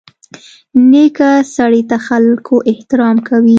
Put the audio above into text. نیکه سړي ته خلکو احترام کوي.